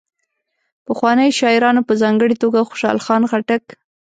پخوانیو شاعرانو په ځانګړي توګه خوشال خان خټک.